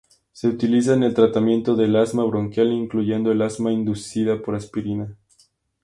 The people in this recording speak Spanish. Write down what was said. Se utiliza en el tratamiento del asma bronquial, incluyendo el asma inducida por aspirina.